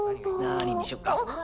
何にしよっかな。